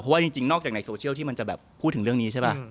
เพราะว่าจริงนอกจากในโซเชียลที่มันจะแบบพูดถึงเรื่องนี้ใช่ป่ะ